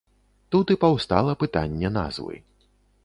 Тут і паўстала пытанне назвы.